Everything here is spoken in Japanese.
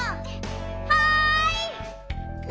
はい！